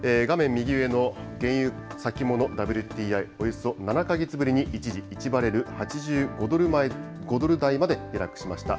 右上の原油先物ＷＴＩ、およそ７か月ぶりに一時１バレル８５ドル台まで下落しました。